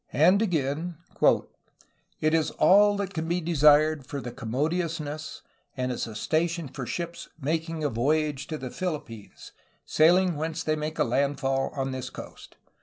"" And again: "it is all that can be desired for commodiousness and as a sta tion for ships making the voyage to the Philippines, sailing whence they make a landfall on this coast.